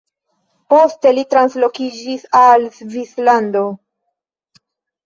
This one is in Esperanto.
Poste li translokiĝis al Svislando.